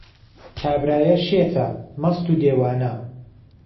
کابرايە شێته مهست و دێوانه